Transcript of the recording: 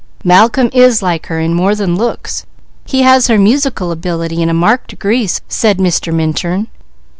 "Malcolm is like her in more than looks. He has her musical ability in a marked degree," said Mr. Minturn.